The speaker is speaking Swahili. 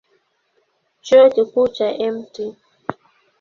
Chuo Kikuu cha Mt.